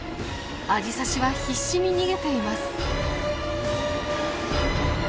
アジサシは必死に逃げています。